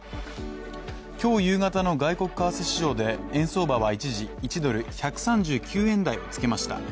今日夕方の外国為替市場で円相場は一時、１ドル＝１３９円台をつけました。